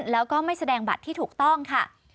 แล้วก็ไม่แสดงบัตรที่ถูกต้องค่ะ